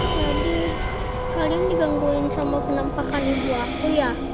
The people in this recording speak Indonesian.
jadi kalian digangguin sama penampakan ibu aku ya